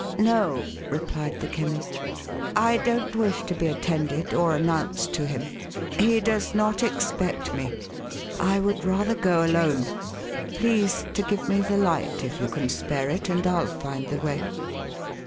" No," replied the Chemist, " I don't wish to be attended, or announced to him. He does not expect me. I would rather go alone. Please to give me the light, if you can spare it, and I'll find the way.